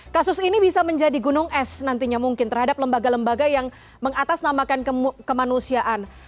kasus ini bisa menjadi gunung es nantinya mungkin terhadap lembaga lembaga yang mengatasnamakan kemanusiaan